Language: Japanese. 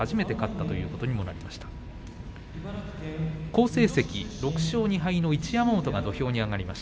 土俵上は好成績６勝２敗の一山本が土俵に上がっています。